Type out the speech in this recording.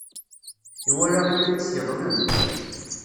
Iwala iman-is yeḍlem.